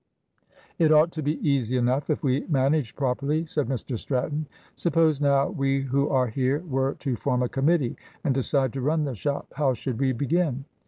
"It ought to be easy enough if we manage properly," said Mr Stratton. "Suppose, now, we who are here were to form a committee and decide to run the shop, how should we begin?"